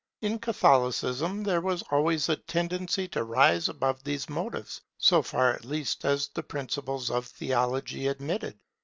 In Catholicism there was always a tendency to rise above these motives, so far at least as the principles of theology admitted.